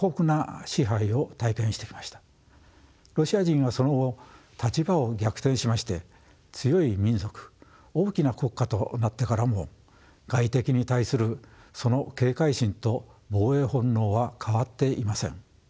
ロシア人がその後立場を逆転しまして強い民族大きな国家となってからも外敵に対するその警戒心と防衛本能は変わっていません。